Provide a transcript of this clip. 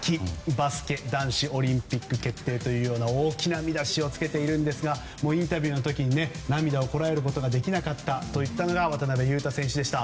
バスケ男子オリンピック決定と大きな見出しを付けていますがインタビューの時に涙をこらえることができなかった渡邊雄太選手でした。